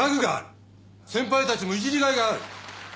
先輩たちもイジリがいがある。